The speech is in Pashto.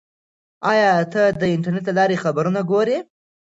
آیا ته د انټرنیټ له لارې خبرونه ګورې؟